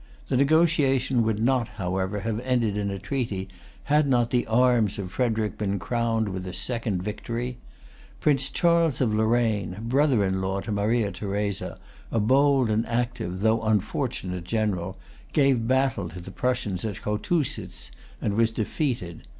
The negotiation would not, however, have ended in a treaty, had not the arms of Frederic been crowned with a second victory. Prince Charles of Lorraine, brother in law to Maria Theresa, a bold and active though unfortunate general, gave battle to the Prussians at Chotusitz, and was defeated.